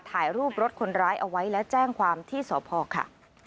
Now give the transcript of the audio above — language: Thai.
ถ่ายรูปรถคนร้ายเอาไว้และแจ้งความที่สพค่ะ